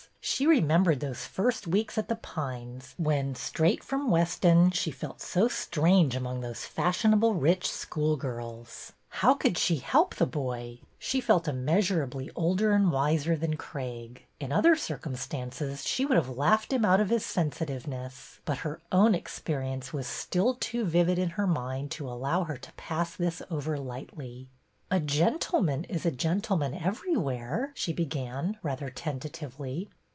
She remembered those first weeks at The Pines when, straight from Weston, she felt so strange among those fashionable rich schoolgirls. How could she help the boy? She felt immeasurably older and wiser than Craig. In other circum BETTY AND CRAIG 99 stances she would have laughed him out of his sensitiveness, but her own experience was still too vivid in her mind to allow her to pass this over lightly. A gentleman is a gentleman everywhere,'' she began, rather tentatively.